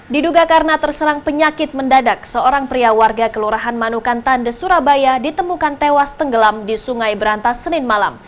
diduga karena terserang penyakit mendadak seorang pria warga kelurahan manukan tande surabaya ditemukan tewas tenggelam di sungai berantas senin malam